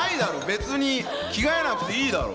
別に着替えなくていいだろ！